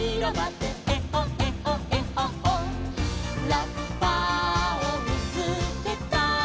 「ラッパをみつけたよ」